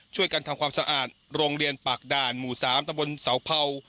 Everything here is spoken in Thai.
ช่วยกันทำความสะอาดโรงเรียนปากด่านหมู่๓ตะบนเสาเผา